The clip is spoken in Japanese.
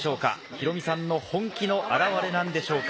ヒロミさんの本気の表れなんでしょうか。